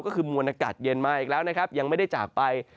ก็คือมวลอากาศเย็นมาอีกแล้วนะครับยังไม่ได้จากไป